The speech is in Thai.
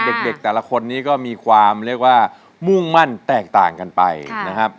เด็กแต่ละคนนี้ก็มีความเรียกว่ามุ่งมั่นแตกต่างกันไปนะครับ